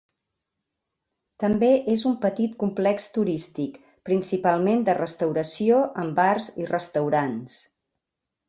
També és un petit complex turístic, principalment de restauració amb bars i restaurants.